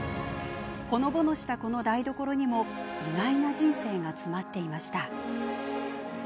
ほのぼのした、この台所にも意外な人生が詰まっていました。